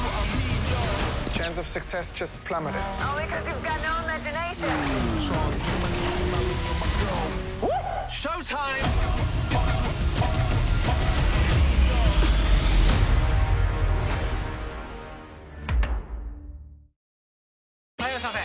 一方、・はいいらっしゃいませ！